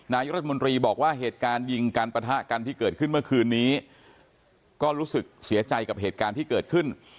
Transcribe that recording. นายรัฐมนตรีบอกว่าเหตุการณ์ยิงการปะทะกันที่เกิดขึ้นเมื่อคืนนี้ก็รู้สึกเสียใจกับเหตุการณ์ที่เกิดขึ้น